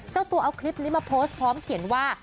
เจ้าตัวเอาคลิปนี้มาโพสต์พร้อมเขียนว่า